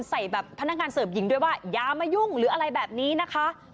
ใส่แบบพนักงานเสิร์ฟหญิงด้วยว่าอย่ามายุ่งหรืออะไรแบบนี้นะคะ